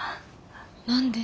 何で？